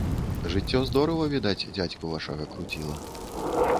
Жыццё здорава, відаць, дзядзьку вашага круціла.